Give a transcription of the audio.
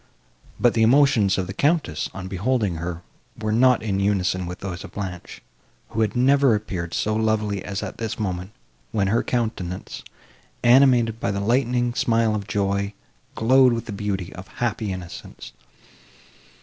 But the emotions of the Countess, on beholding her, were not in unison with those of Blanche, who had never appeared so lovely as at this moment, when her countenance, animated by the lightning smile of joy, glowed with the beauty of happy innocence.